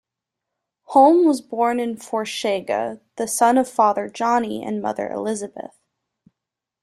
Holm was born in Forshaga, the son of father Johnny and mother Elisabeth.